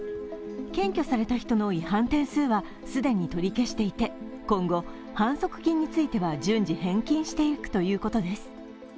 検挙された人の違反点数は既に取り消していて、今後、反則金については順次返金していくということです。